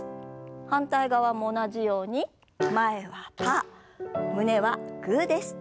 反対側も同じように前はパー胸はグーです。